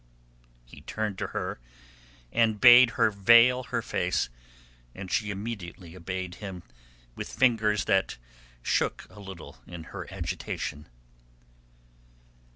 He turned to her, and bade her veil her face, and she immediately obeyed him with fingers that shook a little in her agitation.